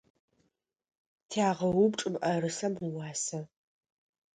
Тягъэупчӏ мыӏэрысэм ыуасэ.